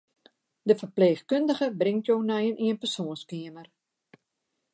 De ferpleechkundige bringt jo nei in ienpersoanskeamer.